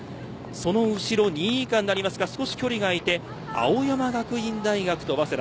その後ろ２位以下になりますが少し距離が空いて青山学院大学と早稲田。